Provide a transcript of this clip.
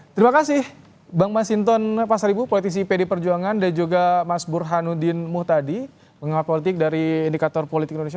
terima kasih bang mas hinton pasar ibu politisi pdi perjuangan dan juga mas burhanuddin muh tadi penggemar politik dari indikator politik indonesia